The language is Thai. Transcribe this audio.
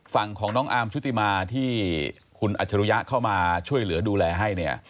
ฝั่งของน้องอาร์มชุติมาที่คุณอัจฉริยะเข้ามาช่วยเหลือดูแลให้เนี่ย